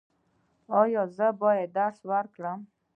ایا زه باید درس ورکړم؟